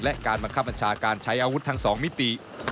และการบังคับบัญชาการใช้อาวุธทั้ง๒มิติ